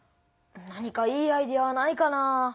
何かいいアイデアはないかな？